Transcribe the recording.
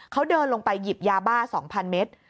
เขาเดินลงไปหยิบยาบ้า๒๐๐เมตร